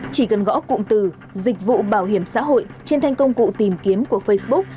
chỉ cần gõ cụm từ dịch vụ bảo hiểm xã hội trên thanh công cụ tìm kiếm của facebook